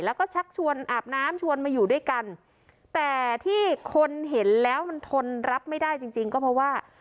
แล้วก็ชักชวนอาบน้ำชวนมาอยู่ด้วยกันแต่ที่คนเห็นแล้วมันทนรับไม่ได้จริงจริงก็เพราะว่า